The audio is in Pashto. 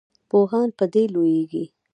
پوهان په دې لویږي.